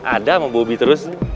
ada sama bobi terus